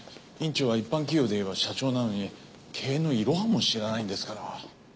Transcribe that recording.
院長は一般企業でいえば社長なのに経営のイロハも知らないんですから。